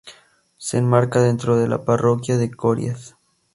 Se enmarca dentro de la parroquia de Corias.